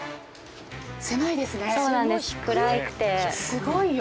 すごいよ。